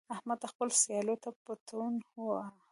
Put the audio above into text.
احمد خپل سیال ته پتون وواهه.